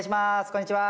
こんにちは。